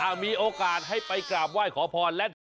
อ่ามีโอกาสให้ไปกราบไหว้ขอพรและทุกคนค่ะ